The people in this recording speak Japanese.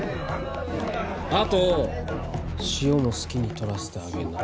あと塩も好きにとらせてあげな